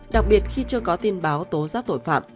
đặc biệt khi chưa có tin báo tố giác tội phạm